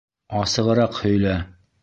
Асығыраҡ һөйлә!